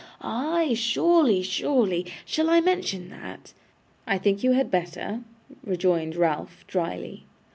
Ay, surely, surely. Shall I mention that?' 'I think you had better,' rejoined Ralph, drily.